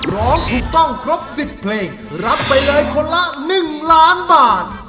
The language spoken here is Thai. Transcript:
ร้องถูกต้องครบ๑๐เพลงรับไปเลยคนละ๑ล้านบาท